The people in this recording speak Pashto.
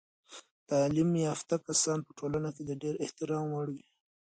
تعلیم یافته کسان په ټولنه کې د ډیر احترام وړ وي.